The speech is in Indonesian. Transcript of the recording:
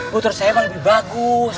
motor saya mah lebih bagus